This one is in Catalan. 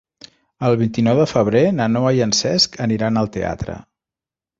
El vint-i-nou de febrer na Noa i en Cesc aniran al teatre.